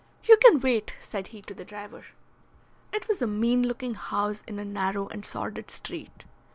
"You can wait," said he to the driver. It was a mean looking house in a narrow and sordid street.